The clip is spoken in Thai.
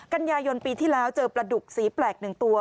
กันยายนปีที่แล้วเจอปลาดุกสีแปลก๑ตัว